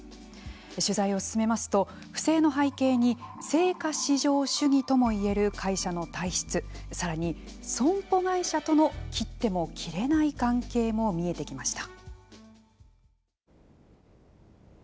取材を進めますと、不正の背景に成果至上主義ともいえる会社の体質、さらに損保会社との切っても切れない関係も見えてきました。